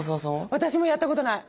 私もやったことない。